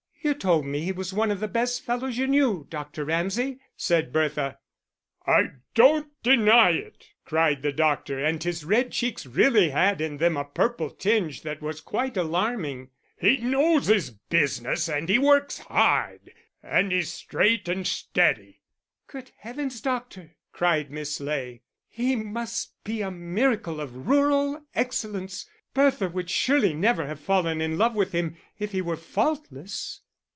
"You told me he was one of the best fellows you knew, Dr. Ramsay," said Bertha. "I don't deny it," cried the doctor, and his red cheeks really had in them a purple tinge that was quite alarming. "He knows his business and he works hard, and he's straight and steady." "Good heavens, Doctor," cried Miss Ley, "he must be a miracle of rural excellence. Bertha would surely never have fallen in love with him if he were faultless."